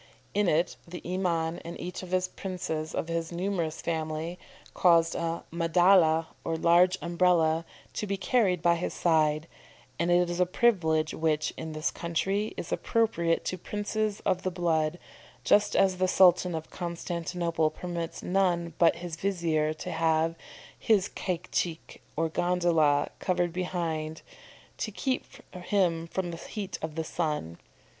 In it the Iman and each of the princes of his numerous family, caused a madalla, or large Umbrella, to be carried by his side; and it is a privilege which, in this country, is appropriated to princes of the blood, just as the Sultan of Constantinople permits none but his vizier to have his caique, or gondola, covered behind, to keep him from the heat of the sun.